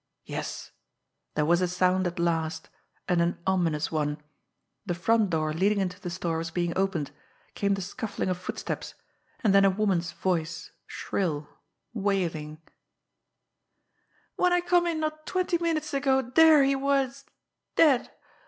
Yes, there was a sound at last and an ominous one! The front door leading into the store was being opened, came the scuffling of footsteps and then a woman's voice, shrill, wailing: "W'en I come in not twenty minutes ago dere he was dead.